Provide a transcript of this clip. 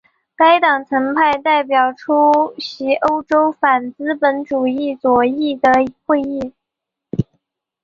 该党曾派代表出席欧洲反资本主义左翼的会议。